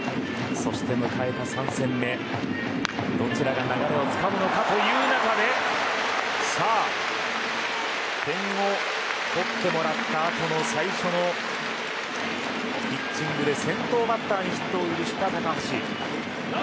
そして、迎えた３戦目どちらが流れをつかむのかという中でさあ点を取ってもらった後のこの最初のピッチングで先頭バッターにヒットを許した高橋。